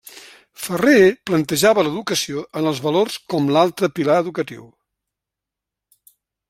Ferrer plantejava l’educació en els valors com l’altre pilar educatiu.